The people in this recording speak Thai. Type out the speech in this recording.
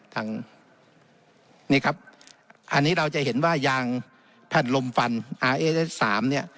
ทางนี่ครับอันนี้เราจะเห็นว่ายางแผ่นลมฟันอาร์เอสสามเนี่ย